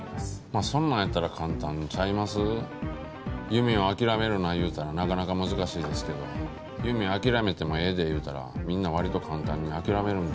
まあそんなんやったら簡単ちゃいます？夢を諦めるな言うたらなかなか難しいですけど夢諦めてもええで言うたらみんな割と簡単に諦めるんちゃいますかね？